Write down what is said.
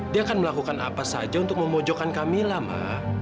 dia akan melakukan apa saja untuk memojokkan kamila ma